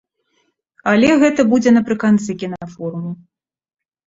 Але гэта будзе напрыканцы кінафоруму.